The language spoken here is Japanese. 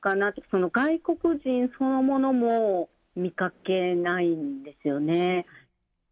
その外国人そのものも見かけないんですよね。